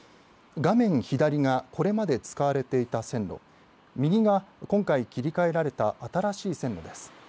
画面左がこれまで使われていた線路右が今回切り替えられた新しい線路です。